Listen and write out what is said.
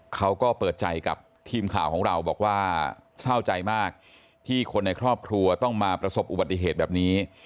เขาก็เปิดใจกับทีมข่าวของเราบอกว่าเศร้าใจมากที่คนในครอบครัวต้องมาประสบอุบัติเหตุแบบนี้